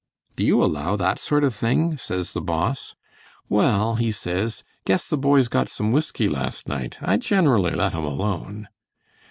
'Do you allow that sort of thing?' says the Boss. 'Well,' he says, 'Guess the boys got some whiskey last night. I generally let 'em alone.'